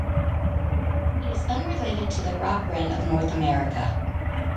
It is unrelated to the rock wren of North America.